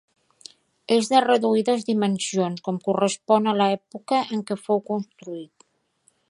És de reduïdes dimensions, com correspon a l'època en què fou construït.